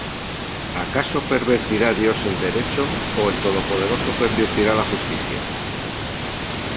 ¿Acaso pervertirá Dios el derecho, O el Todopoderoso pervertirá la justicia?